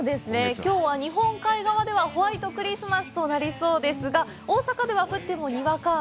きょうは日本海側ではホワイトクリスマスとなりそうですが、大阪では、降ってもにわか雨。